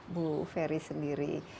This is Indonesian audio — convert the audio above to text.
ibu ferry sendiri